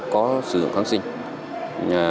có sử dụng kháng sinh